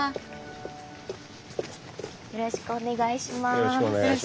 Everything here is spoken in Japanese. よろしくお願いします。